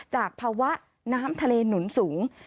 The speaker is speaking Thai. จากภาวะน้ำทะเลหนุนสูง